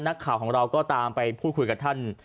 นักข่าวของเราก็ตามไปพูดคุยกับท่าน